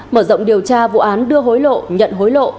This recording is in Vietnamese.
mở rộng điều tra vụ án đưa hối lộ nhận hối lộ